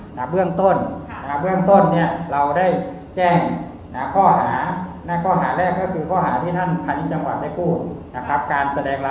หน้าเบื้องต้นเราได้แจ้งหน้าข้อหาหน้าข้อหาแรกก็คือข้อหาที่ท่านฐานิจจังหวัดได้พูดนะครับ